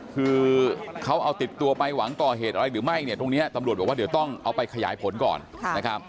คือเขาเอาติดตัวไปหวังก่อเหตุอะไรหรือไม่เนี่ยตรงนี้ตำรวจบอกว่าเดี๋ยวต้องเอาไปขยายผลก่อนนะครับ